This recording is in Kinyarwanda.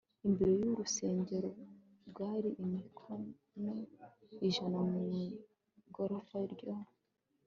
imbere y urusengero bwari imikono ijana Mu igorofa ryo